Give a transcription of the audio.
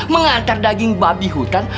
mengantar daging babi hutan